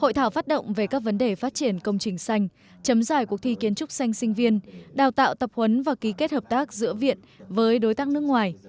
hội thảo phát động về các vấn đề phát triển công trình xanh chấm giải cuộc thi kiến trúc xanh sinh viên đào tạo tập huấn và ký kết hợp tác giữa viện với đối tác nước ngoài